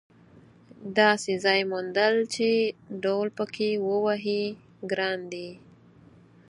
داسې ځای موندل چې ډهل پکې ووهې ګران دي.